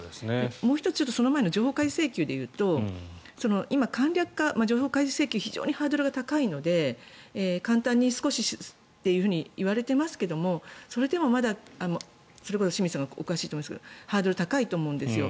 もう１つその前の情報開示請求でいうと今、簡略化非常にハードルが高いので簡単に少しって言われていますがそれでもまだそれこそ清水さんがお詳しいと思うんですがハードルが高いと思うんですよ。